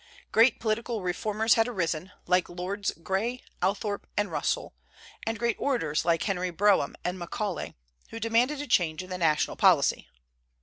Great political reformers had arisen, like Lords Grey, Althorp, and Russell, and great orators like Henry Brougham and Macaulay, who demanded a change in the national policy.